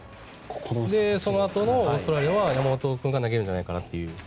そのあとのオーストラリアは山本君が投げるんじゃないかなと。